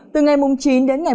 từ ngày chín đến ngày một mươi